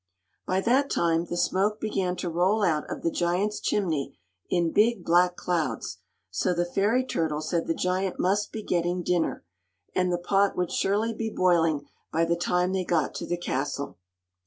By that time the smoke began to roll out of the giant's chimney in big black clouds; so the fairy turtle said the giant must be getting dinner, and the pot would surely be boiling by the time they got to the castle.